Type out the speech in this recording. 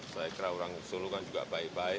saya kira orang solo kan juga baik baik